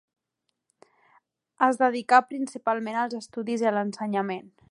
Es dedicà principalment als estudis i a l'ensenyament.